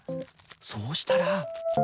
そうしたら。